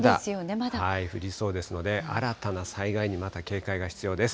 まだ降りそうですので、新たな災害にまた警戒が必要です。